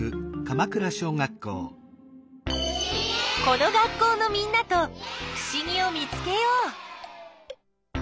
この学校のみんなとふしぎを見つけよう。